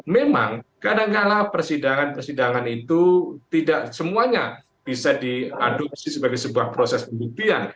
memang kadangkala persidangan persidangan itu tidak semuanya bisa diadopsi sebagai sebuah proses pembuktian